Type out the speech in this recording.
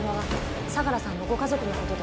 相良さんのご家族のことで。